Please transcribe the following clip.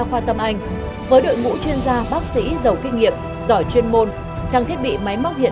trường với đội ngũ chuyên gia bác sĩ giàu kinh nghiệm giỏi chuyên môn trang thiết bị máy móc hiện